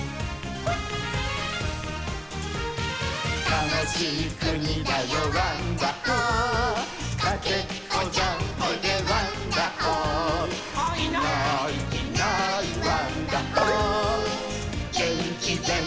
「たのしいくにだよワンダホー」「かけっこジャンプでワンダホー」「いないいないワンダホー」「げんきぜんかい」